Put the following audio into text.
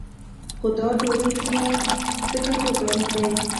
خو دا ډوډۍ ځکه توکی نه دی.